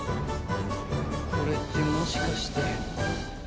これってもしかして。